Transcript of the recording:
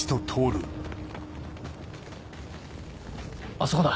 あそこだ。